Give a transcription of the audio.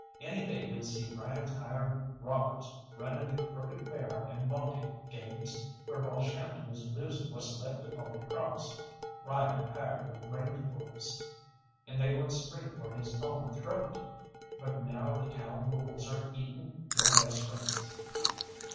Any day you'll see Ryan's hired robbers running the crooked faro and monte games where Balshannon is losing what's left of Holy Cross. Ryan hired the range wolves, and they went straight for his own throat, but now the town wolves are eating yo' best friends."